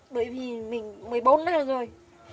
bởi vì mình một mươi bốn năm rồi